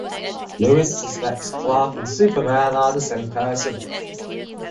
Lois suspects Clark and Superman are the same person.